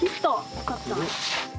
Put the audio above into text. よかった。